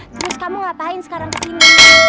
terus kamu ngatahin sekarang kesini